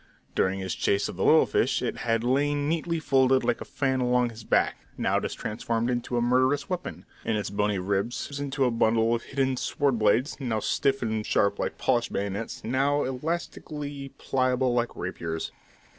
During his chase of the little fish, it had lain neatly folded like a fan along his back; now it is transformed into a murderous weapon, and its bony ribs into a bundle of hidden sword blades, now stiff and sharp like polished bayonets, now elastically pliable like rapiers.